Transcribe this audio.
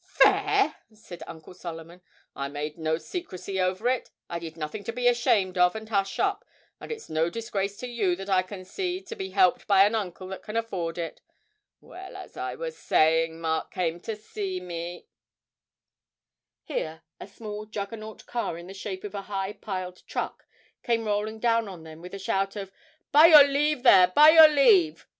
'Fair!' said Uncle Solomon. 'I made no secrecy over it. I did nothing to be ashamed of and hush up, and it's no disgrace to you that I can see to be helped by an uncle that can afford it. Well, as I was saying, Mark came to me ' Here a small Juggernaut car in the shape of a high piled truck came rolling down on them with a shout of, 'By your leave there, by your leave!'